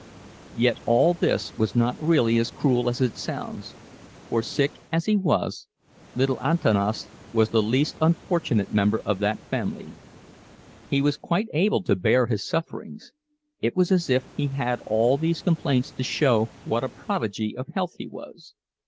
Yet all this was not really as cruel as it sounds, for, sick as he was, little Antanas was the least unfortunate member of that family. He was quite able to bear his sufferings—it was as if he had all these complaints to show what a prodigy of health he was.